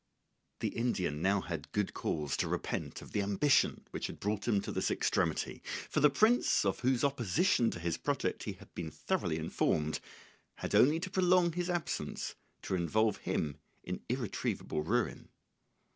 The Indian had now good cause to repent of the ambition which had brought him to this extremity, for the prince, of whose opposition to his project he had been thoroughly informed, had only to prolong his absence to involve him in irretrievable ruin.